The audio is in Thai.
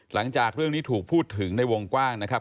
หลังจากเรื่องนี้ถูกพูดถึงในวงกว้างนะครับ